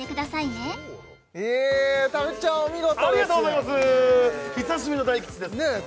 ねたぶっちゃんお見事ですよありがとうございます久しぶりの大吉ですねえ